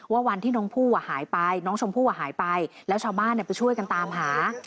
ว่าวันที่น้องชมพู่หายไปแล้วชาวบ้านไปช่วยกันตามหา